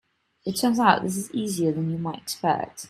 It turns out this is easier than you might expect.